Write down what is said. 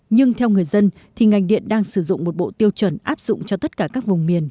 nhưng theo người dân thì ngành điện đang sử dụng một bộ tiêu chuẩn áp dụng cho tất cả các vùng miền